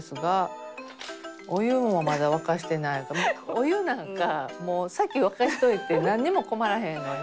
お湯なんかもう先沸かしておいて何にも困らへんのに。